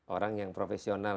orang yang profesional